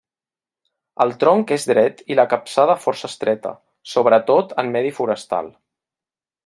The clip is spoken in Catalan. El tronc és dret i la capçada força estreta, sobretot en medi forestal.